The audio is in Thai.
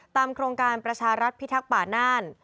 โครงการประชารัฐพิทักษ์ป่าน่าน